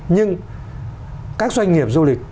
nhưng các doanh nghiệp du lịch